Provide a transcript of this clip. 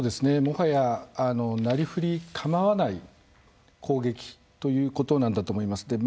もはやなりふりかまわない攻撃ということなんだと思います。